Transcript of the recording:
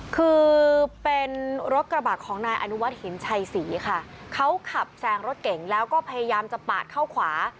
คือเป็นรถกระบะของนายอนุวัติหินชัยศรีค่ะเขาขับแซงรถเก่งแล้วก็พยายามจะปาดเข้าขวา